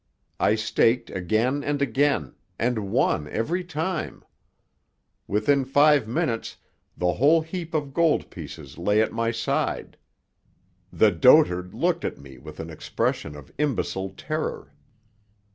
I staked again and again, and won every time. Within five minutes the whole heap of gold pieces lay at my side. The dotard looked at me with an expression of imbecile terror.